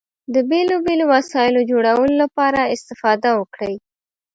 د بېلو بېلو وسایلو جوړولو لپاره استفاده وکړئ.